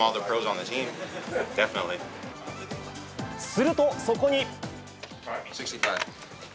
すると、そこに。